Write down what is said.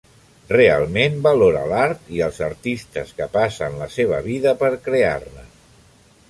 Realment valora l'art i els artistes que passen la seva vida per crear-ne.